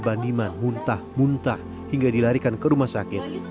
bandiman muntah muntah hingga dilarikan ke rumah sakit